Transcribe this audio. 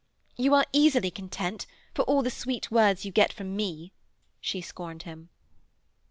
'You are easily content, for all the sweet words you get from me,' she scorned him.